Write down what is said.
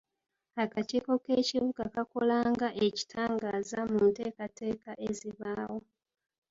Akakiiko k'ekibuga kakola nga ekitangaaza mu nteekateeka ezibaawo.